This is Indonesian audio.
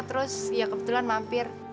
terus ya kebetulan mampir